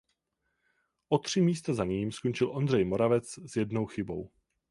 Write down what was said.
O tři místa za ním skončil Ondřej Moravec s jednou chybou.